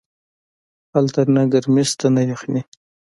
هلته نه گرمي سته نه يخني.